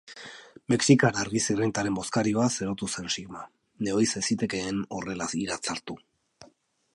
Mexikar argi-zirrintaren bozkarioaz erotu zen Sigma. Nehoiz ez zitekeen horrela iratzartu.